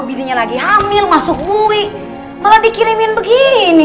bikin lagi hamil masuk wuih malah dikirimin begini